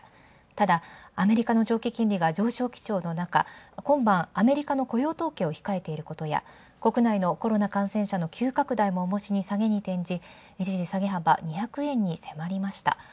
ただ、アメリカの上昇基調の中、今晩アメリカの雇用統計を控えていることや国内のコロナ感染者の急拡大もおもしに下げに転じ一時、下げ幅２００円に迫りました。